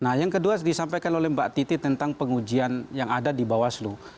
nah yang kedua disampaikan oleh mbak titi tentang pengujian yang ada di bawaslu